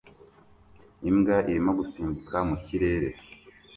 Imbwa irimo gusimbuka mu kirere